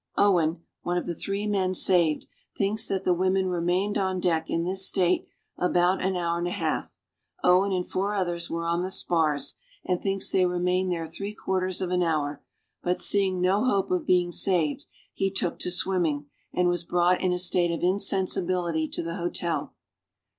Owen, one of the three men saved, thinks that the women remained on deck in this state about an hour and a half. Owen and four others were on the spars, and thinks they remained there three quarters of an hour, but, seeing no hope of being saved, he took to swimming, and was brought in a state of insensibility to the hotel.